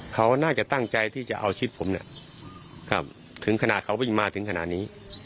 เขาน่าจะตั้งใจที่จะเอาชีวิตผมถึงขนาดเขาวิ่งมาถึงขนาดนี้